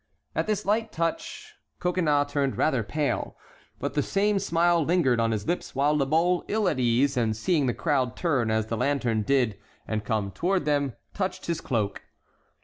At this light touch Coconnas turned rather pale; but the same smile lingered on his lips, while La Mole, ill at ease, and seeing the crowd turn as the lantern did and come toward them, touched his cloak.